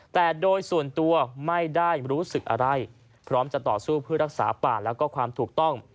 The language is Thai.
แต่โดยส่วนตัวไม่ได้รู้สึกอะไรพร้อมจะต่อสู้เพื่อรักษาป่าแล้วก็ความถูกต้อง